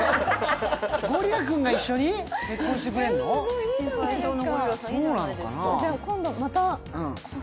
ゴリラ君が一緒に結婚してくれるの？